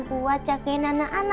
buat jagain anak anak